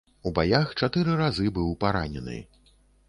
У баях чатыры разы быў паранены.